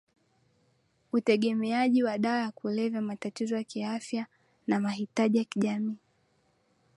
utegemeaji wa dawa ya kulevya matatizo ya kiafya na mahitaji ya kijamii